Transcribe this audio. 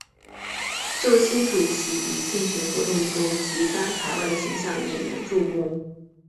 这位新主席以竞选活动中极端排外的形象引人注目。